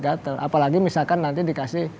gatel apalagi misalkan nanti dikasih